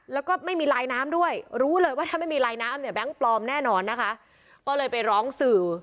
แล้วก็ไม่มีลายน้ำด้วยรู้เลยว่าถ้าไม่มีลายน้ำเนี่ยแบงค์ปลอมแน่นอนนะคะก็เลยไปร้องสื่อ